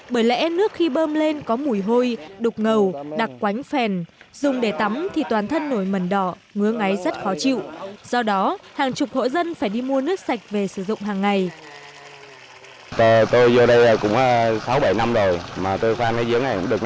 bởi lẽ nước khi bơm lên có mùi hôi đục ngầu đặc quánh phèn dùng để tắm thì toàn thân nổi mần đỏ ngứa ngáy rất khó chịu do đó hàng chục hộ dân phải đi mua nước sạch về sử dụng hàng ngày